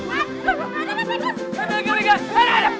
eh tebak tebak ada banget enggak